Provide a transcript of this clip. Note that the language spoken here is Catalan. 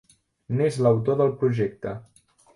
N'és l'autor del projecte.